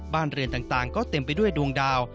เรือนต่างก็เต็มไปด้วยดวงดาว